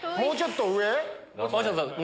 もうちょっと上？